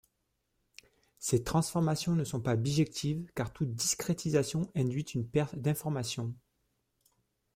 Ces transformations ne sont pas bijectives car toute discrétisation induit une perte d'information.